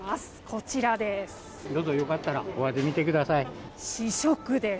こちらです。